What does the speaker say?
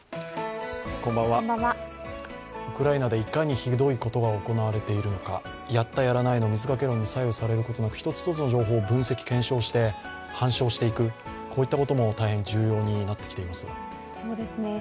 ウクライナでいかにひどいことが行われているのか、やった、やらないの水掛け論に左右されることなく一つ一つの情報を分析、検証して反照していく、こういったことも大変重要になってきています。